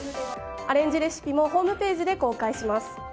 アレンジレシピもホームページで公開します。